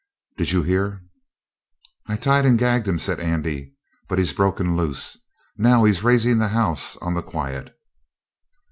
"Did you hear?" "I tied and gagged him," said Andy, "but he's broken loose, and now he's raising the house on the quiet."